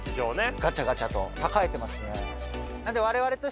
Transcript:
ガチャガチャと栄えてますね。